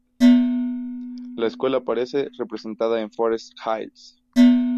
La escuela aparece representada en Forest Hills.